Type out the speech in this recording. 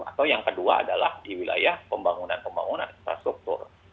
atau yang kedua adalah di wilayah pembangunan pembangunan infrastruktur